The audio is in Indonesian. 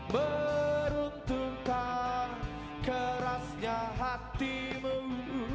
meruntuhkan kerasnya hatiku